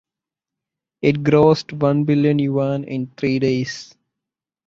It grossed one billion yuan in three days.